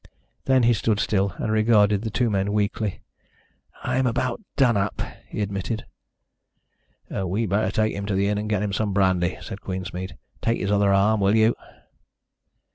Then he stood still, and regarded the two men weakly. "I'm about done up," he admitted. "We'd better take him to the inn and get him some brandy," said Queensmead. "Take his other arm, will you?"